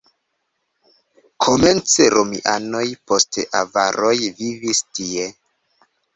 Komence romianoj, poste avaroj vivis tie.